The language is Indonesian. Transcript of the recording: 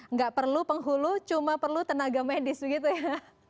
nggak perlu penghulu cuma perlu tenaga medis begitu ya